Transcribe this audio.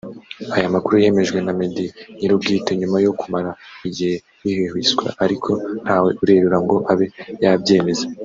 Aya makuru yemejwe na Meddy nyir'ubwite nyuma yo kumara igihe bihwihwiswa ariko ntawe urerura ngo abe yabyemeza